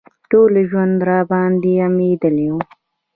ټول ژوند راباندې غمېدلى و.